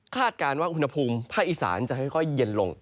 การว่าอุณหภูมิภาคอีสานจะค่อยเย็นลง